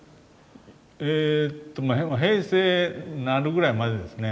えっと平成になるぐらいまでですね。